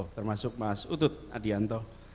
termasuk mas utut adianto